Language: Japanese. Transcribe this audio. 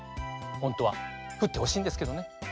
ほんとはふってほしいんですけどね。